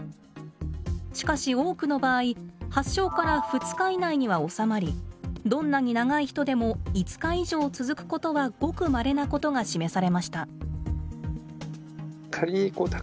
しかし多くの場合発症から２日以内には治まりどんなに長い人でも５日以上続くことはごくまれなことが示されました。